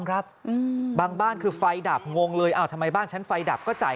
ครับบางบ้านคือไฟดับงงเลยอ้าวทำไมบ้านฉันไฟดับก็จ่าย